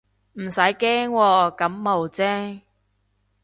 唔使驚喎，感冒啫